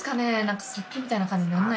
何かさっきみたいな感じにならない？